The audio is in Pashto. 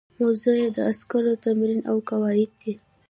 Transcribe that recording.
موضوع یې د عسکرو تمرین او قواعد دي.